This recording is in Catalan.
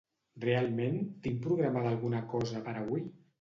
Realment tinc programada alguna cosa per avui?